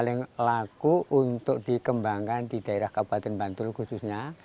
paling laku untuk dikembangkan di daerah kabupaten bantul khususnya